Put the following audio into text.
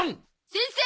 先生！